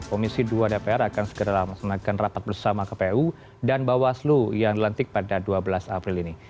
komisi dua dpr akan segera melaksanakan rapat bersama kpu dan bawaslu yang dilantik pada dua belas april ini